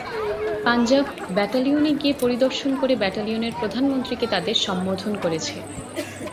পাঞ্জাব, ব্যাটালিয়নে গিয়ে পরিদর্শন করে ব্যাটালিয়নের প্রধানমন্ত্রীকে তাদের সম্বোধন করেছে।